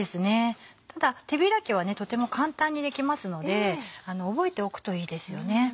ただ手開きはとても簡単にできますので覚えておくといいですよね。